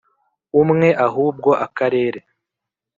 umwe ahubwo akarere